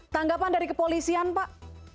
tanggapan dari kepolisian pak